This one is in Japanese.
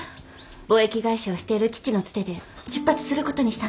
貿易会社をしている父のつてで出発する事にしたの。